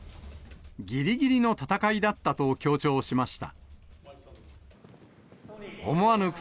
ぎりぎりの戦いだったと強調しました。